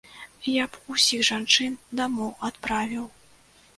Я б усіх жанчын дамоў адправіў.